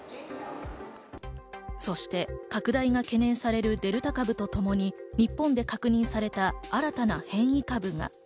そして拡大が懸念されるデルタ株とともに日本で確認された新たな変異株が。